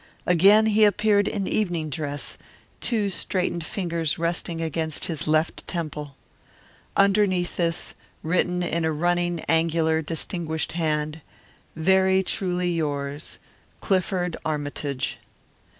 Again he appeared in evening dress, two straightened fingers resting against his left temple. Underneath this was written in a running, angular, distinguished hand, "Very truly yours, Clifford Armytage."